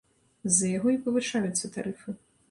З-за яго і павышаюцца тарыфы.